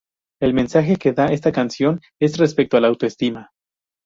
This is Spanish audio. El mensaje que da esta canción es respecto al autoestima.